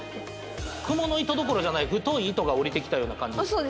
蜘蛛の糸どころじゃない太い糸が降りてきたような感じですか？